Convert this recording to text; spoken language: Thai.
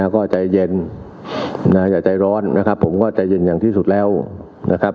ก็ใจเย็นอย่าใจร้อนนะครับผมก็ใจเย็นอย่างที่สุดแล้วนะครับ